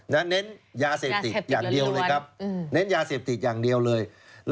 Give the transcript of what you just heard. เน้นยาเสพติดอย่างเดียวเลยครับ